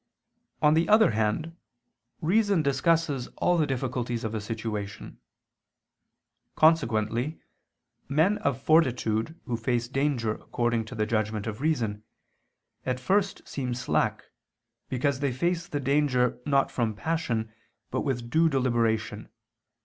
On the other hand, reason discusses all the difficulties of a situation. Consequently men of fortitude who face danger according to the judgment of reason, at first seem slack, because they face the danger not from passion but with due deliberation.